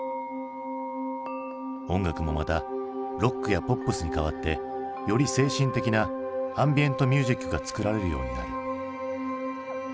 音楽もまたロックやポップスに代わってより精神的なアンビエントミュージックが作られるようになる。